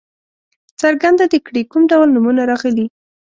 څرګنده دې کړي کوم ډول نومونه راغلي.